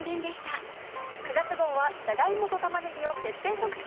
９月号はじゃが芋と玉ねぎを徹底特集。